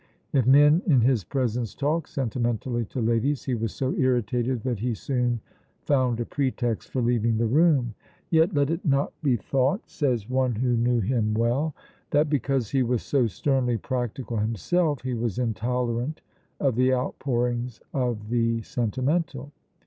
If men in his presence talked sentimentally to ladies he was so irritated that he soon found a pretext for leaving the room. "Yet let it not be thought," says One Who Knew Him Well, "that because he was so sternly practical himself he was intolerant of the outpourings of the sentimental.